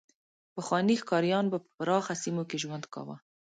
پخواني ښکاریان به په پراخو سیمو کې ژوند کاوه.